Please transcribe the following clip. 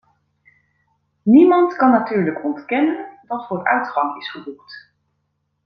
Niemand kan natuurlijk ontkennen dat vooruitgang is geboekt.